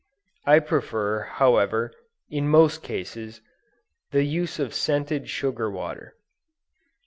I prefer, however, in most cases, the use of scented sugar water.